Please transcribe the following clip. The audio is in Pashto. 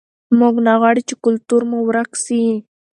موږ نه غواړو چې کلتور مو ورک سي.